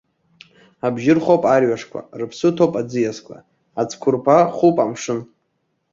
Абжьы рхоуп арҩашқәа, рыԥсы ҭоуп аӡиасқәа, ацәқәырԥа хуп амшын.